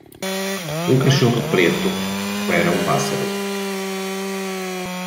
Um cachorro preto recupera um pássaro.